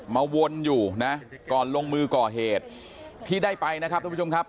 วนอยู่นะก่อนลงมือก่อเหตุที่ได้ไปนะครับทุกผู้ชมครับ